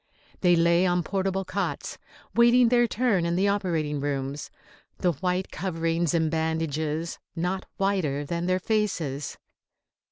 They lay on portable cots, waiting their turn in the operating rooms, the white coverings and bandages not whiter than their faces.